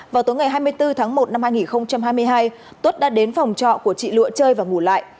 vào tối ngày hai mươi bốn tháng một năm hai nghìn hai mươi hai tuất đã đến phòng trọ của chị lụa chơi và ngủ lại